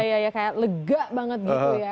iya ya kayak lega banget gitu ya